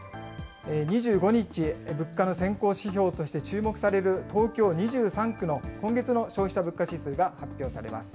２５日、物価の先行指標として注目される東京２３区の今月の消費者物価指数が発表されます。